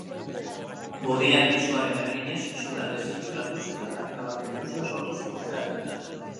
Burdinaren pisuaren eraginez zura desitxuratuz, eta aldaketa baten ilusioa sortuz ikuslearengan.